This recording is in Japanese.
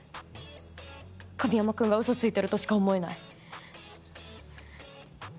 神山君がうそついてるとしか思えない。